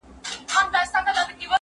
زه بايد ليک ولولم؟